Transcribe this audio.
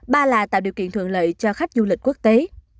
ba là tạo điều kiện thuận lợi cho khách du lịch quốc tế